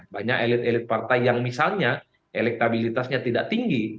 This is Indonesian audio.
banyak elit elit partai yang misalnya elektabilitasnya tidak tinggi